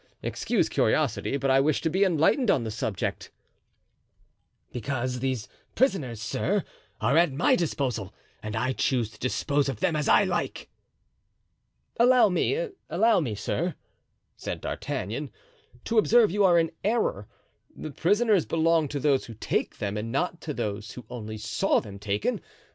Excuse curiosity, but I wish to be enlightened on the subject." "Because these prisoners, sir, are at my disposal and I choose to dispose of them as I like." "Allow me—allow me, sir," said D'Artagnan, "to observe you are in error. The prisoners belong to those who take them and not to those who only saw them taken.